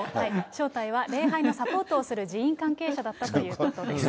正体は礼拝のサポートをする寺院関係者だったということです。